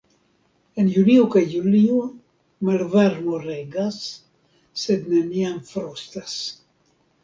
En junio kaj julio malvarmo regas, sed neniam frostas.